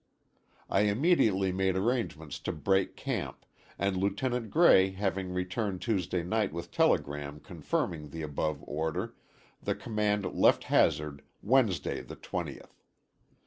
I immediately made arrangements to break camp, and Lieutenant Gray having returned Tuesday night with telegram confirming the above order, the command left Hazard Wednesday, the 20th.